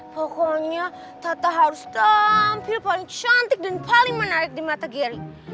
pokoknya tata harus tampil paling cantik dan paling menarik di mata giri